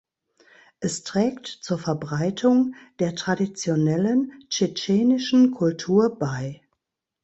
Es trägt zur Verbreitung der traditionellen tschetschenischen Kultur bei.